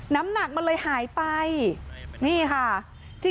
น้ำหนักมันเลยหายไป